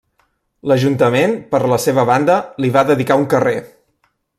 L'Ajuntament, per la seva banda, li va dedicar un carrer.